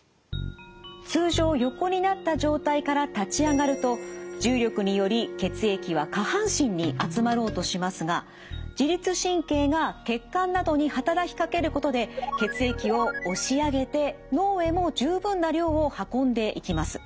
通常横になった状態から立ち上がると重力により血液は下半身に集まろうとしますが自律神経が血管などに働きかけることで血液を押し上げて脳へも十分な量を運んでいきます。